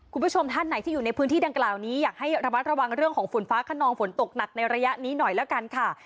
คุณผู้ชมท่านไหนที่อยู่ในพื้นที่ดังกล่าวนี้อยากให้ระมัดระวังเรื่องของฝนฟ้าขนองฝนตกหนักในระยะนี้หน่อยแล้วกันค่ะ